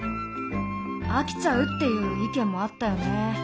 飽きちゃうっていう意見もあったよね。